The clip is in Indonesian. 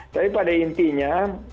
tapi pada intinya